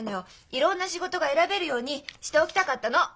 いろんな仕事が選べるようにしておきたかったの！